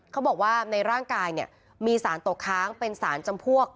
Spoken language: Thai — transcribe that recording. เขาบอกว่าในร่างกายเนี่ยมีสารตกค้างเป็นสารจำพวก